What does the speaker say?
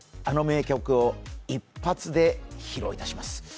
あの名曲を一発で披露いたします。